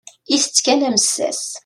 Itett kan amessas.